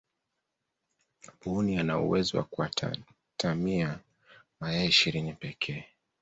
mbuni ana uwezo wa kuatamia mayai ishirini pekee